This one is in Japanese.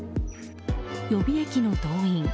予備役の動員